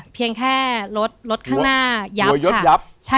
เพียงแค่รถรถข้างหน้ายับยดยับ